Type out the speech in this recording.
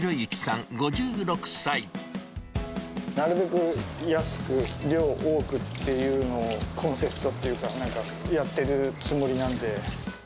なるべく安く、量多くっていうのをコンセプトというか、やってるつもりなんで。